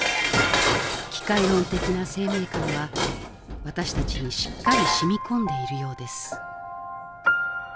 機械論的な生命観は私たちにしっかり染み込んでいるようです